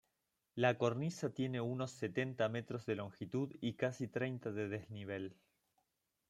La cornisa tiene unos setenta metros de longitud y casi treinta de desnivel.